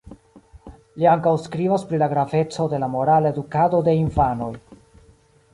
Li ankaŭ skribas pri la graveco de la morala edukado de infanoj.